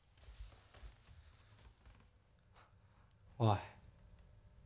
おい。